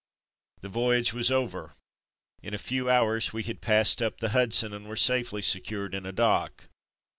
The voyage was over. In a few hours we had passed up the Hudson and were safely secured in a dock.